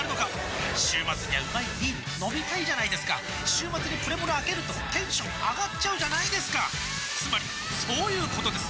週末にはうまいビール飲みたいじゃないですか週末にプレモルあけるとテンション上がっちゃうじゃないですかつまりそういうことです！